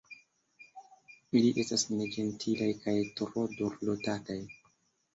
Ili estas neĝentilaj kaj tro dorlotataj.